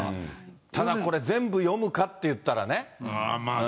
ただ、これ全部読むかっていったらね。